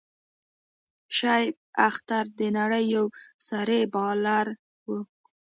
شعیب اختر د نړۍ یو سريع بالر وو.